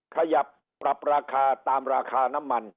ขยับปรับราคาตามราคาน้ำมัน